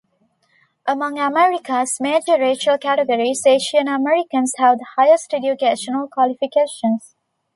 Among America's major racial categories, Asian Americans have the highest educational qualifications.